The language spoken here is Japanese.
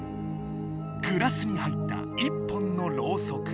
グラスに入った１本のろうそく。